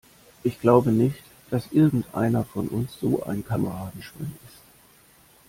Ich glaube nicht, dass irgendeiner von uns so ein Kameradenschwein ist.